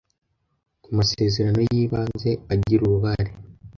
kumasezerano yibanze agira uruhare